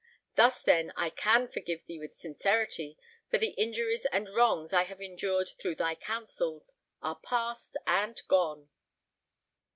Thus, then, I can forgive thee with sincerity—for the injuries and wrongs I have endured through thy counsels, are past and gone!"